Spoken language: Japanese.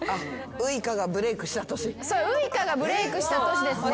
ウイカがブレークした年ですね。